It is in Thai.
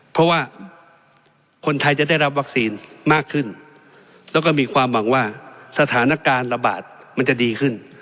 เพราะว่าคนไทยจะได้รับวัคซีนมากขึ้นแล้วก็มีความหวังว่าสถานการณ์ระบาดมันจะดีขึ้น